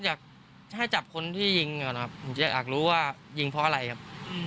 อยากให้จับคนที่ยิงก่อนนะครับผมจะอยากรู้ว่ายิงเพราะอะไรครับ